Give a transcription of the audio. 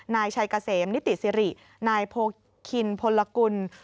นายชัยเกษมนิติสิรินายโพคินพลกุล